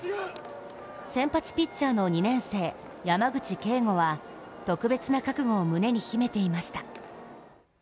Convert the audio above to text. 先発ピッチャーの２年生・山口恵悟は特別な覚悟を胸に秘めていました。